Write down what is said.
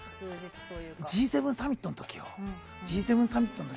Ｇ７サミットの時よ。